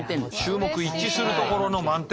衆目一致するところの満点！